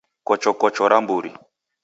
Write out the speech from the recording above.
Kochokocho ra mburi.